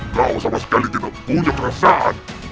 kau sama sekali tidak punya perasaan